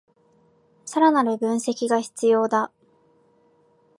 さらなる分析が必要だ